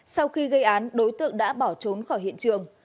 sau khi gây án đối tượng đã bỏ trốn khỏi hiện trường